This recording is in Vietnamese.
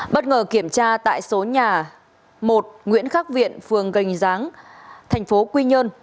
bất ngờ kiểm tra tại số nhà một nguyễn khắc viện phường gành giáng thành phố quy nhơn